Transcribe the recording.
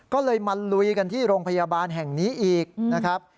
ก็เลยมาลุยกันที่โรงพยาบาลแห่งนี้อีกนะครับ